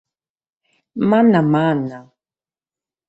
Manna manna!!!